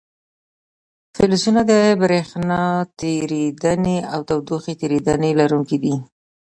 فلزونه د برېښنا تیریدنې او تودوخې تیریدنې لرونکي دي.